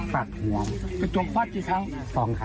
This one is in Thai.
พลังค์